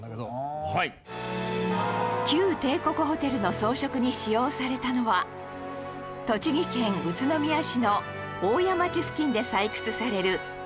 旧帝国ホテルの装飾に使用されたのは栃木県宇都宮市の大谷町付近で採掘される大谷石